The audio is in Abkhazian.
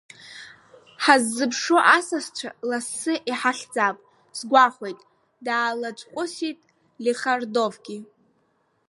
Ҳаззыԥшу асасцәа лассы иҳахьӡап сгәахәуеит, даалацәҟәысит Лихардовгьы.